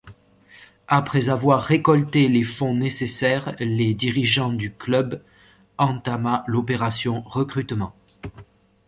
Après avoir récolté les fonds nécessaires, les dirigeants du club entama l’opération recrutement.